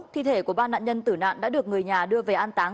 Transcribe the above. thi thể của ba nạn nhân tử nạn đã được người nhà đưa về an táng